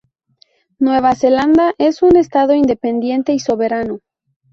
Nueva Zelanda es un estado independiente y soberano.